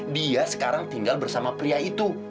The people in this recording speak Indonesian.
dia sekarang tinggal bersama pria itu